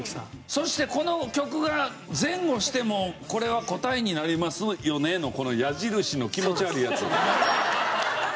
そして「この曲が前後してもこれは答えになりますよね？」のこの矢印の気持ち悪いやつ。